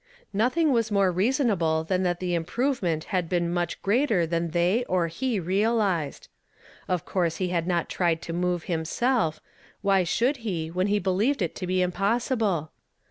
Nothing was more reasonable than that the i'Mprovement had been much greater than they or he reahzed. Of course he had not tried to move liimself ; why should he, when he believed it to be impossible